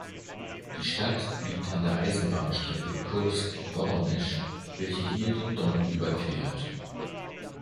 Die Stadt liegt an der Eisenbahnstrecke Kursk–Woronesch, welche hier den Don überquert.